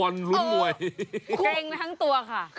โอ้าว